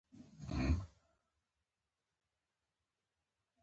مصنوعي ځیرکتیا ټوله سندره هم جوړوي خو خپل غږ بل ډول خوند لري.